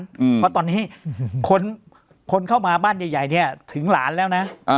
เพราะตอนนี้คนเข้ามาบ้านใหญ่เนี่ยถึงหลานแล้วนะ